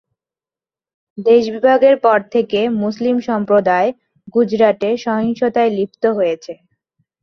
দেশ বিভাগের পর থেকে মুসলিম সম্প্রদায় গুজরাটে সহিংসতায় লিপ্ত হয়েছে।